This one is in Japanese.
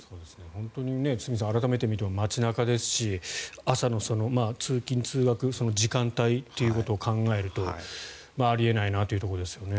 本当に堤さん改めて見ても街中ですし朝の通勤・通学の時間帯ということを考えるとあり得ないなというところですよね。